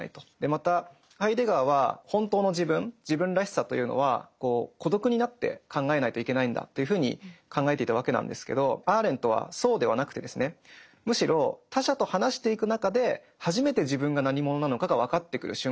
またハイデガーは本当の自分自分らしさというのは孤独になって考えないといけないんだというふうに考えていたわけなんですけどアーレントはそうではなくてですねむしろというふうに言うわけですね。